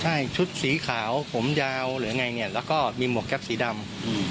ใช่ชุดสีขาวผมยาวและมีหัวแก๊สสีดำ